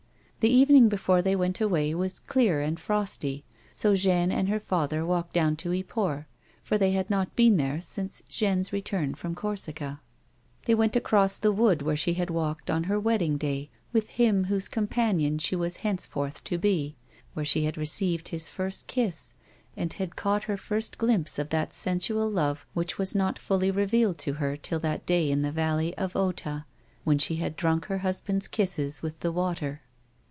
The evening before they went away was clear and frosty, so Jeanne and her father walked down to Yport, for they had not been there since Jeanne's return from Corsica. Tliey went across the wood where she had walked on her wedding day with him whose companion she was henceforth to be, where she had received his first kiss, and had caught her first glimpse of that sensual love which was not fully revealed to her till that day in the valley of Ota when she had drunk her husband's kisses with the water.